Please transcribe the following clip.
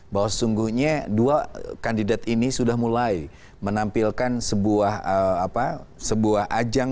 bahwa sesungguhnya dua kandidat ini sudah mulai menampilkan sebuah ajang